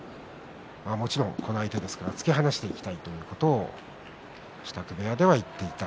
もちろん、この相手ですから突き放していきたいということを支度部屋で話していました